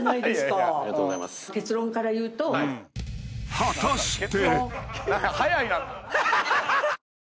［果たして］